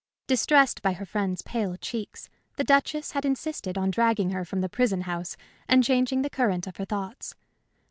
Distressed by her friend's pale cheeks, the Duchess had insisted on dragging her from the prison house and changing the current of her thoughts.